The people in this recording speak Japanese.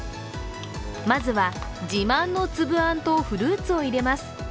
まずは、自慢のつぶあんとフルーツを入れます。